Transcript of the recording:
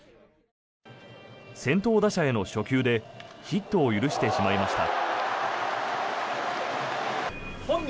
先頭打者への初球でヒットを許してしまいました。